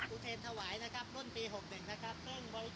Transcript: อุเทรนถวายนะครับรุ่นปี๖๑นะครับ